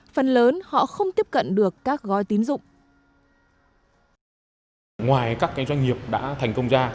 phần lớn họ không tiếp cận được các gói tín dụng